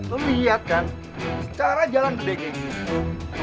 lo lihat kan cara jalan gede kayak gini